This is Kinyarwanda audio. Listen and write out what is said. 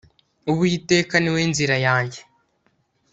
uwiteka niwe nzira yange